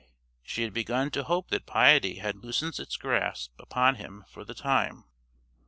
She had begun to hope that piety had loosened its grasp upon him for the time.